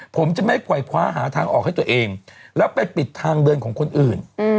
ผมจะไม่ปล่อยคว้าหาทางออกให้ตัวเองแล้วไปปิดทางเดินของคนอื่น